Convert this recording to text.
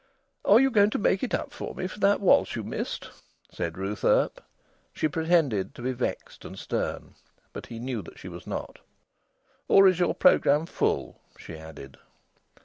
"Are you going to make it up to me for that waltz you missed?" said Ruth Earp. She pretended to be vexed and stern, but he knew that she was not. "Or is your programme full?" she added.